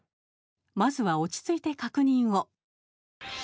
まずは、落ち着いて確認を。